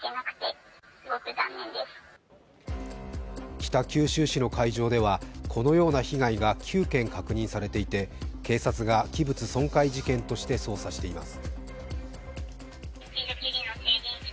北九州市の会場ではこのような被害が９件確認されていて警察が器物損壊事件として捜査しています。